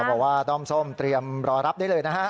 บอกว่าด้อมส้มเตรียมรอรับได้เลยนะฮะ